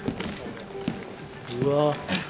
うわ